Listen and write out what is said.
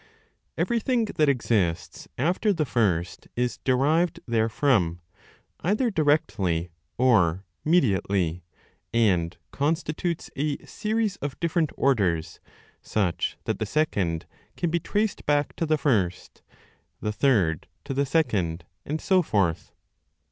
Everything that exists after the First is derived therefrom, either directly or mediately, and constitutes a series of different orders such that the second can be traced back to the First, the third to the second, and so forth.